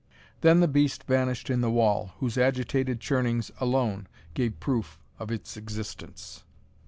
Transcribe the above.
Then the beast vanished in the wall, whose agitated churnings alone gave proof of its existence.